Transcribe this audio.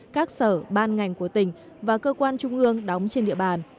các sở ban ngành của tỉnh và cơ quan trung ương đóng trên địa bàn